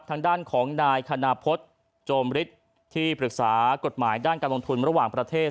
ทางด้านของนายคณพฤษโจมฤทธิ์ที่ปรึกษากฎหมายด้านการลงทุนระหว่างประเทศ